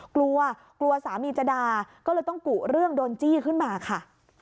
กลัวกลัวสามีจะด่าก็เลยต้องกุเรื่องโดนจี้ขึ้นมาค่ะ